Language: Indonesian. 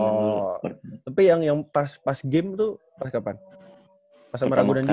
oh tapi yang pas game tuh pas kapan pas sama ragunan juga